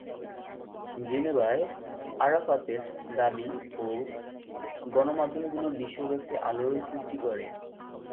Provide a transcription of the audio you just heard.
জেনেভায় আরাফাতের দাবি গণমাধ্যমগুলোয় বিশ্বব্যাপী আলোড়ন সৃষ্টি করে।